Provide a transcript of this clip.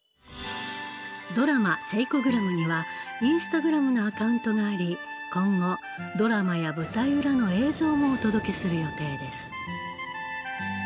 ドラマ「セイコグラム」にはインスタグラムのアカウントがあり今後ドラマや舞台裏の映像もお届けする予定です。